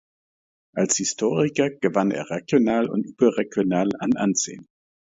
Als Historiker gewann er regional und überregional an Ansehen.